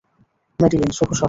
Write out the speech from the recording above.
Madeline, শুভ সকাল।